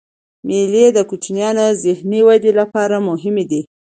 مېلې د کوچنيانو د ذهني ودي له پاره مهمي دي.